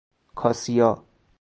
کاسیا